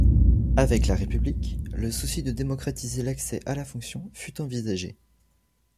Avec la République le souci de démocratiser l'accès à la fonction fut envisagé.